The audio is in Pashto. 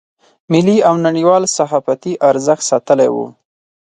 ملي او نړیوال صحافتي ارزښت ساتلی و.